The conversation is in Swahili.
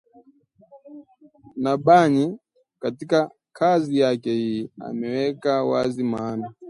Nabhany katika kazi yake hii ameweka wazi maana